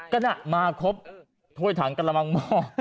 กระครบถ้วยถังกระลำม่อ